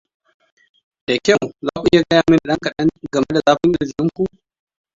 da kyau za ku iya gaya mani ɗan kaɗan game da zafin kirjin ku?